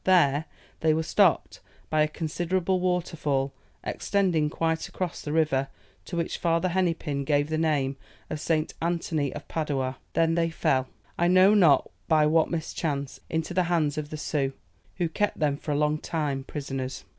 There they were stopped by a considerable waterfall, extending quite across the river, to which Father Hennepin gave the name of St. Anthony of Padua. Then they fell, I know not by what mischance, into the hands of the Sioux, who kept them for a long time prisoners."